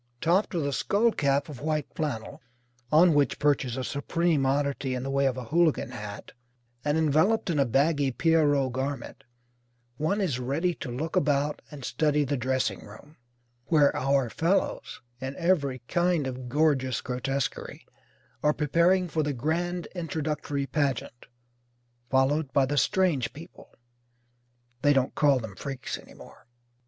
Topped with a skull cap of white flannel (on which perches a supreme oddity in the way of a Hooligan hat) and enveloped in a baggy Pierrot garment one is ready to look about and study the dressing room, where our fellows, in every kind of gorgeous grotesquerie, are preparing for the Grand Introductory Pageant followed by the "Strange People." (They don't call them Freaks any more.)